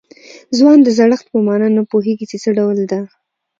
ځوان د زړښت په معنا نه پوهېږي چې څه ډول ده.